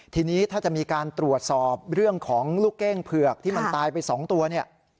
ทีนี้ถ้าจะมีการตรวจสอบเรื่องของลูกเก้งเผือกที่มันตายไป๒ตัวเนี่ย